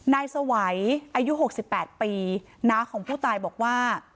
นายสวัยอายุ๖๘ปีน้าของผู้ตายบอกว่า